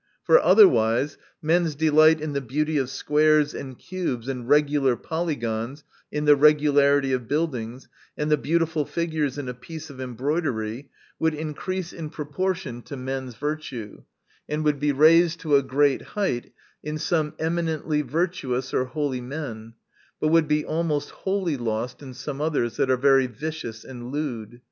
For, otherwise, men's delight in the beauty of squares, and cubes, and regular polygons, in the regularity of buildings, and the beauti ful figures in a piece of embroidery, would increase in proportion to men's virtue ; and would be raised to a great height in some eminently virtuous or holy men ; but would be almost wholly lost in some others that are very vicious and lewd.